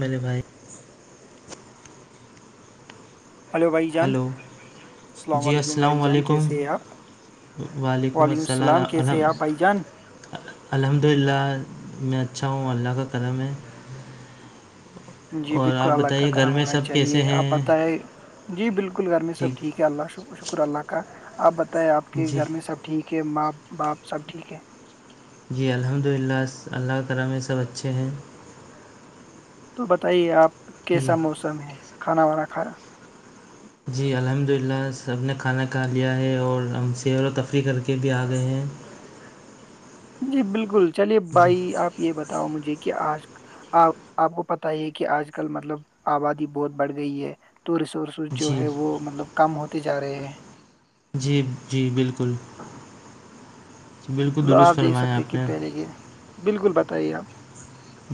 ملے بھائی ہلو بھائی جان ہیلو السلام جی علیکم بھائی جان علیکم کیسے ہیں آپ وعلیکم السلام کیسے آپ بھائی جان الحمد للہ میں اچھا ہوں اللہ کا قدم ہے جی اور بالکل آپ الگ کا بتائیے گھر کرم میں ہونا سب کیسے چاہیے آپ ہیں بتائائے جی بالکل گھر میں سب ٹھیک ہے اللہ شکر اللہ کا آپ بتائ آپ کے جی گھر میں سب ٹھیک ہے ماں باپ سب ٹھیک ہے جی الحمد للہ اللہ تال میں سب اچھے ہیں تو بتائیے آپ جی کیسا موسم ہے کھانا وانا کھانا جی الحمد للہ سب نے کھانا کھا لیا ہے اور ہم سیر و تفریح کر کے بھی آ گئے ہیں جی بالکل چلیے جی بھائی آپ یہ بتاؤ مجھے کہ آج آ آپ کو پت ہی کہ آج کل مطلب آبادی بہت بڑھ گئی ہے تو ریسورس جو جی ہے وہ مطلب کم ہوتے جا رہے ہیں جی جی بالکل بالکل مطلب درست آپ دیکھ فرمایا سکتے آپ کہ نے پہلے کے بالکل بتائیے آپ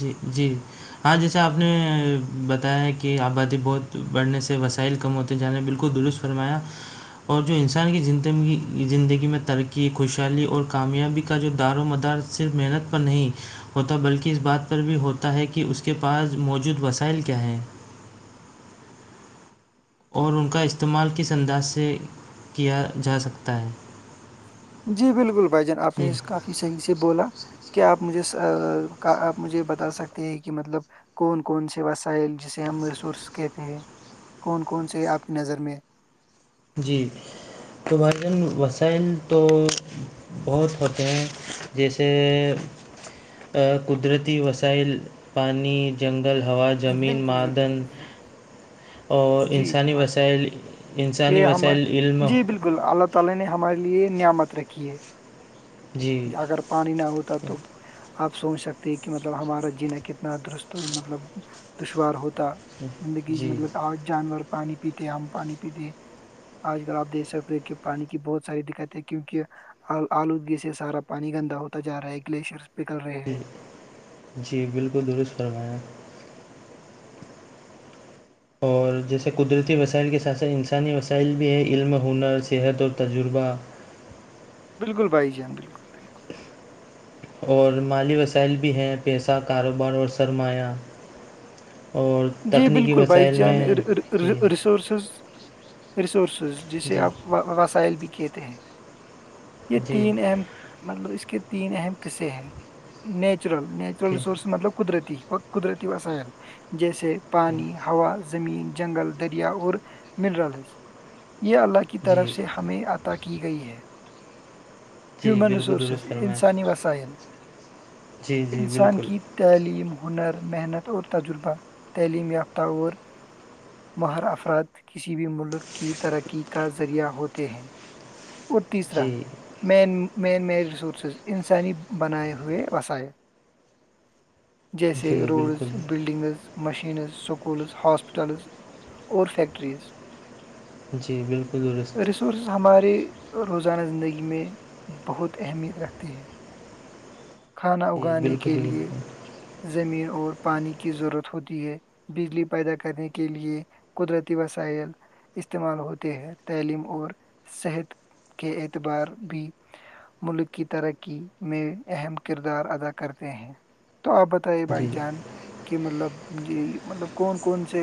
جی جی ہاں جیسے آپ نے بتایا ہے کہ آبادی بہت بڑھنے سے وسائل کم ہوتے جانے بالکل درست فرمایا اور جو انسان کی زندی زندگی میں ترقی خوشحالی اور کامیابی کا جو دار و مدار صرف محنت پر نہیں ہوتا بلکہ اس بات پر بھی ہوتا ہے کہ اس کے پاس موجود وسائل کیا ہیں اور ان کا استعمال کس انداز سے کیا جا سکتا ہے جی بالکل بھائی جان آپ جی نے کافی صحیح سے بولا کیا آپ مجھے آپ مجھے بتا سکتے ہیں کہ مطلب کون کون سے وسائل جسے ہم مرس کہتے ہیں کون کون سے آپ کی نظر میں [unintelligible] بہت ہوتے ہیں جیسے قدرتی وسائل پانی جنگل ہوا زمین بالکل بالکل معادن بھائی جان، اور جی انسانی بھائی وسائل انسانی یہ ہم وسائل علم [unintelligible] جی پانی نہ ہوتا تو آپ سوچ سکتے ہیں کہ مطلب ہمارا جینا کتنا درست مطلب دشوار ہوتا زندگی جی مطلب آج جانور پانی پیتے ہم پانی پیتے آج کل آپ دھ سکتے ہیں کہ پانی کی بہت ساری دقتیں کیونکہ آلودگی سے سارا پانی گندا ہوتا جا رہا ہے گلیشیر پ جی جی بالکل درست فرمائیں اور جیسے قدرتی وسائل کے ساتھ ساتھ انسانی وسائل بھی ہیں علم ہنر صحت اور تجربہ بالکل بائی جان بالکل بالکل اور مالی وسائل بھی ہیں پیسہ کاروبار اور سرمایہ اور جی تکنیکی بالکل بھائی وسائل چان میں جی ریسورسز ریسورسز جسے جی آپ وسائل بھی کہتے ہیں یہ جی تین اہم مطلب اس کے تین اہم قصے ہیں نیچرل نیچرل جی ریسورس مطلب قدرتی و قدرتی وسائل جیسے پانی ہوا زمین جنگل دریا اور منرلز یہ اللہ کی جی طرف سے ہمیں عطا کی گئی ہے جی ہیومن بالکل رسورسز درست فرمایا انسانی وسائل جی جی انسان بالکل کی تعلیم ہنر محنت اور تجربہ تعلیم یافتہ اور مہر افراد کسی بھی ملک کی ترقی کا ذریعہ ہوتے ہیں اور تیسرا جی مین مین مین ریسورسز انسانی بنائے ہوئے وسائل [inaudible] جیسے جی روڈز بالکل بلڈنگز مشینز سکولز ہاسپٹلز اورور فیکٹرز جی بالکل درست سورسز ہمارے روزانہ زندگی میں بہت اہمیت رکھتی ہیں کھانا جی اگانے بالکل کے لیے درست زمین اور پانی کی ضرورت ہوتی ہے بجلی پیدا کرنے کے لیے قدرتی وسائل استعمال ہوتے ہیں تعلیم اور صحت کے اعتبار بھی ملک کی ترقی میں اہم کردار ادا کرتے ہیں تو آپ بتائیے بھائی جی جان کہ مطلب جی مطلب کون کون سے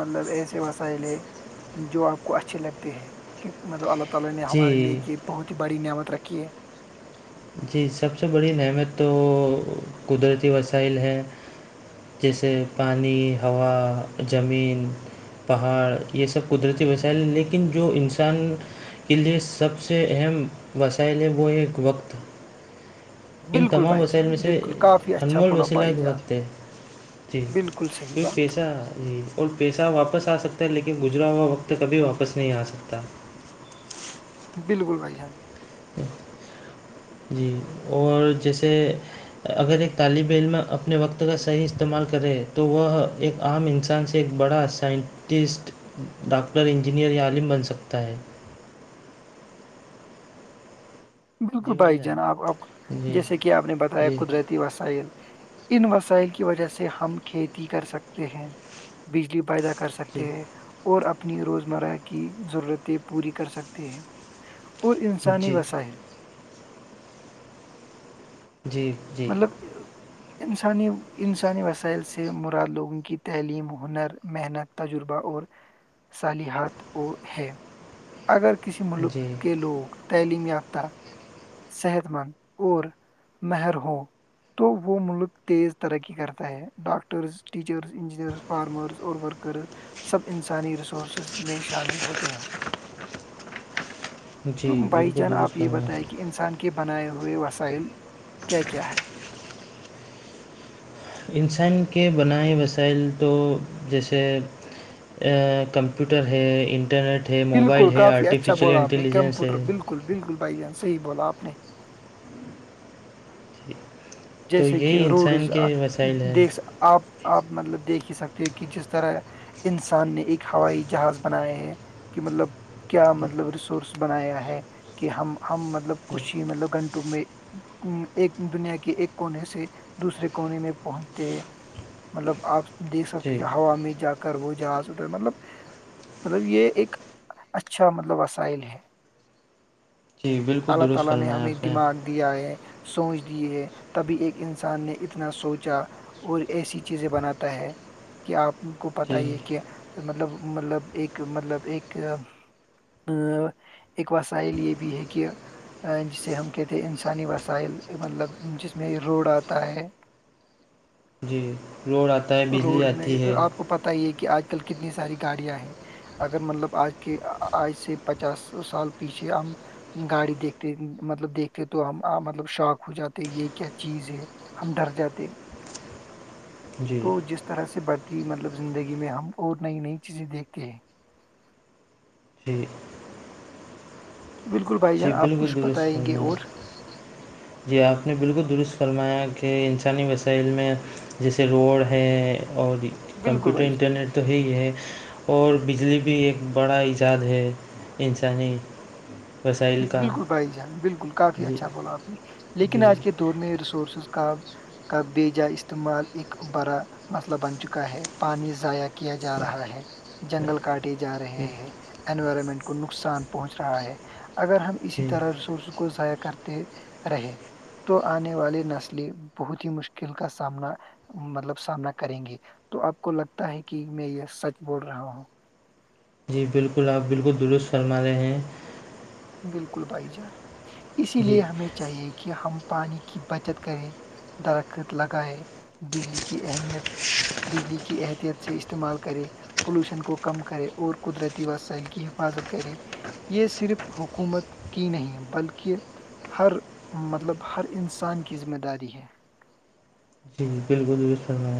مطلب ایسے وسائل ہے [unintelligible] جی [inaudible] جی سب سے بڑی نعمیت تو قدرتی وسائل ہیں جیسے پانی ہوا زمین پہاڑ یہ سب قدرتی وسائل ہیں لیکن جو انسان کے لئے سب سے اہم وسائل ہے وہ ایک وقت ان بالکل تمام بھائی وسائل جان میں سے بالکل کافی اچھا انمول بولا وسیلہ بھائی کے جان وقت ہے جی بالکل صحیح یہ بات پیشہ جی اور پیسہ واپس آ سکتا ہے لیکن گزرا ہوا وقت کبھی واپس نہیں آ سکتا بالکل بھائی ہاں جی اور جیسے اگر ایک طالب علم اپنے وقت کا صحیح استعمال کرے تو وہ ایک عام انسان سے ایک بڑا سائنٹسٹ ڈاکٹر انجینئر یا عالم بن سکتا ہے بالکل بھائی جان آپ جی جیسے کہ آپ نے بتایا جی قدرتی وسائل ان وسائل کی وجہ سے ہم کھیتی کر سکتے ہیں بجلی پیدا کر جی سکتے ہیں اور اپنی روزمرہ کی ضرورتیں پوری کر سکتے ہیں اور انسانی جی وساحل جی جی مطلب انسانی انسانی وسائل سے مراد لوگوں کی تعلیم ہنر محنت تجربہ اور صالحات وہ ہے اگر کسی ملک جی کے لوگ تعلیم یافتہ صحت مند اور مہر ہوں تو وہ ملک تیز ترقی کرتا ہے ڈاکٹرز ٹیچرس انجینئرس فارمرز اور ورکرز سب انسانی ریسورسز میں شامل ہوتے ہیں [unintelligible] تو بھائی بالکل جان آپ درست یہ فرمایا بتائیں کہ انسان کے بنائے ہوئے وسائل کیا کیا ہے انسان کے بنائے وسائل تو جیسے کمپیوٹر ہے انٹرنیٹ ہے موبائل بالکل ہے کافی اچھا آرٹیفیشیل بولا آپ نے انٹیلیجنس ہے کمپیوٹر بالکل بالکل بھائی جان سےی بولاپ نے تو جیسے کہ یہی انسان روڈز کے وسائل ہیں دیک آپ آپ مطلب دیکھ ہی سکتے ہو کہ جس طرح انسان نے ایک ہوائی جہاز بنایا ہے کہ مطلب کیا مطلب ریسورس بنایا ہے کہ ہم ہم مطلب کچھ ہی مطلب گھنٹوں میں ایک دنیا کی ایک کونے سے دوسرے کونے میں پہنچتے ہیں مطلب آپ سے دیکھ جی سکتے ہو ہوا میں جا کر وہ جہاز اٹ مطلب مطلب یہ ایک اچھا مطلب وسائل ہے جی [unintelligible] بالکل درست فرمایا آپ نے تبھی ایک انسان نے اتنا سوچا اور ایسی چیزیں بناتا ہے کہ آپ کو پت جی یہ کہ مطلب مطلب ایک مطلب ایک اک وسائل یہ بھی ہے کہ جسے ہم کہتے ہیں انسانی وسائل مطلب جس میں روڈ آتا ہے جی روڈ آتا ہے بجلی آتی ہے بتے کہ آج کل کتنی ساری گاڑیاں ہیں اگر مطلب آج کے آج سے پچاس سال پیچھے ہم گاڑی دیکھتے مطلب دیکھتے تو ہم مطلب شوق ہو جاتے یہ کیا چیز ہے ہم ڈر جاتے جی تو جس طرح سے بڑھتی مطلب زندگی میں ہم اور نئی نئی چیزیں دیکھتے ہیں جی بالکل بھائی جان چب آپ کو کچھ بتائیں گے درستنا اور جی آپ نے بالکل درست فرمایا کہ انسانی وسائل میں جیسے روڈ ہے اور بالکل کمپیوٹر بھائی جان انٹرنیٹ تو ہے ہے اور بجلی بھی ایک بڑا ایجاد ہے انسانی وسائل کا بالکل بھائی جان بالکل کافی جی اچھا بولا آپ نے جی لیکن آج کے دور میں ریسورسز کا کا بیجا استعمال ا بڑا مسئلہ بن چکا ہے پانی ضائع کیا جا رہا ہے جنگل کاٹے جا رہے جی ہیں انوائرمنٹ کو نقصان پہنچ رہا ہے اگر ہم اسی طرح رسورس کو ضائع کرتے رہے تو آنے والے نسلیں بہت ہی مشکل کا سامنا مطلب سامنا کریں گی تو آپ کو لگتا ہے کہ میں یہ سچ بول رہا ہوں جی بالکل آپ بالکل درست فرما رہے ہیں بالکل بھائی جان اسی جی لیے ہمیں چاہیے کہ ہم پانی کی بچت کریں درخت لگائے بجلی کی اہمیت بجلی کی احتت سے استعمال کرے پولوشن کو کم کرے اور قدرتی وسائل کی حفاظت کرے یہ صرف حکومت کی نہیں بلکہ ہر مطلب ہر انسان کی ذمہ داری ہے جی جی بالکل بھی فرنا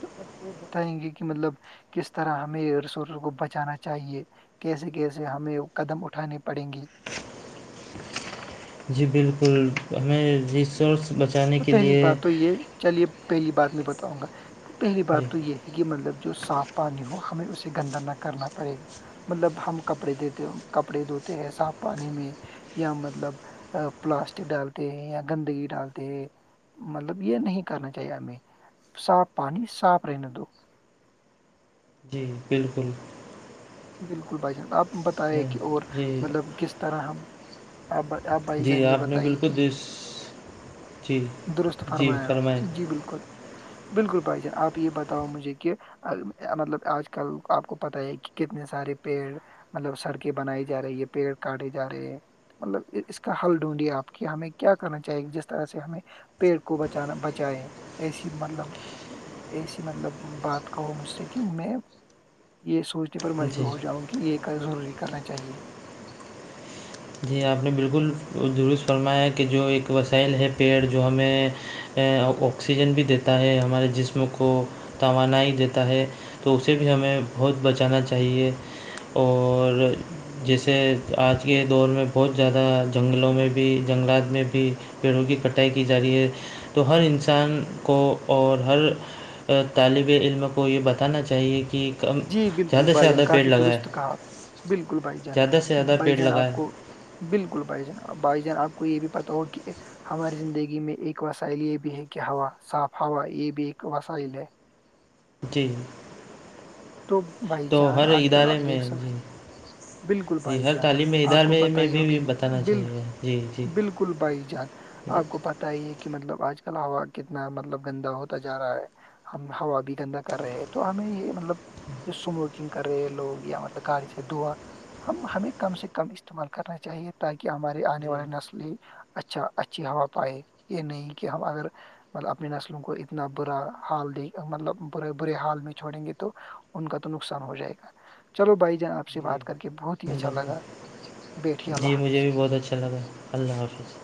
تو آپ وہ بتائیں گے کہ مطلب کس طرح ہمیں رسورس کو بچانا چاہیے کیسے کیسے ہمیں قدم اٹھانانی پڑیں گی جی بالکل ہمیں ریسورس بچانے تو کے پہلی لیے بات تو یہ چلیے پہلی بات میں بتاؤں گا پہلی جی بات تو یہ کہہ مطلب جو صاف پانی ہو ہمیں اسے گندا نہ کرنا پڑے گا مطلب ہم کپڑے دیتے کپڑے دھوتے ہیں صاف پانی میں یا مطلب پلاسٹک ڈالتے ہیں یا گندگی ڈالتے مطلب یہ نہیں کرنا چاہیے میں صاف پانی صاف رہنے دو جی بالکل بالکل بھائی جان آپ بتائے کہ اور جی مطلب کس طرح ہم آپ بھائی آپ بھائی جان جی یہ آپ نے بتائیے کہ بالکل درست جی درست جی فرمایا گا فرمائیں جی بالکل بالکل بھائی جان آپ یہ بتاؤ مجھے کہ مطلب آج کل آپ کو پت ہے کہ کتنے سارے پیڑ مطلب سڑکیں بنائی جا رہی ہے پیڑ کاٹے جا رہے ہیں مطلب اس کا حل ڈھونڈیے آپ کی ہمیں کیا کرنا چاہیے جس طرح سے ہمیں پیڑ کو بچانا بچیں ایسی مطلب ایسی مطلب بات کہو مجھ سے کہ میں یہ سوچ پر مجبور جی ہو جاؤں کہ یہ ضروری کرنا چاہیے جی آپ نے بالکل درست فرمایا کہ جو ایک وسائل ہے پیڑ جو ہمیں آکسیجن بھی دیتا ہے ہمارے جسم کو توانائی دیتا ہے تو اسے بھی ہمیں بہت بچانا چاہیے اور جیسے آج کے دور میں بہت زیادہ جنگلوں میں بھی جنگلات میں بھی پیڑوں کی کٹائی کی جا رہی ہے تو ہر انسان کو اور ہر طالب علم کو یہ بتانا چاہیے کہ کم جی زیادہ بالکل سے بھائی جان زیادہ پیڑ کافی لگائے درست کہا آپ بالکل بھائی جان زیادہ سے زیادہ بھائی پیڑ جان آپ لگائے کو بالکل بھائی جان بھائی جان آپ کو یہ بھی پت ہو کہ ہماری زندگی میں ایک وسائل یہ بھی ہے کہ ہوا صاف ہوا یہ بھی ایک وسائل ہے جی تو بھائی تو جان ہر آج کل ادارے آپ میں دیکھ جی سکتے بالکل جی بھائی ہر جان تعلیمی آپ کو ادارے پت میں ہی بھی ہوگی بتانا بال چاہیے جی جی بالکل بھائی جان آپ کو پت ہی ہے کہ مطلب آج کل ہوا کتنا مطلب گندا ہوتا جا رہا ہے ہم ہوا بھی گندا کر رہے ہیں تو ہمیں یہ مطلب جو اسموکنگ کر رہے ہیں لوگ یا مطلب گاڑی سے دھواں ہم ہمیں کم سے کم استعمال کرنا چاہیے تاکہ ہمارے آنے جی والی نسلیں اچھا اچھی ہوا پائے یہ نہیں کہ ہم اگر مطلب اپنی نسلوں کو اتنا برا حال د مطلب بے برے حال میں چھوڑیں گے تو ان کا تو نقصان ہو جائے گا چلو بھائی جان آپ سے جی بات کر کے بہت ہی اچھا لگا بیٹھیے جی اللہ مجھے حافظ بھی بہت اچھا لگا اللہ حافظ